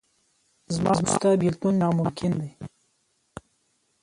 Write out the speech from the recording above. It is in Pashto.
زما او ستا بېلتون ناممکن دی.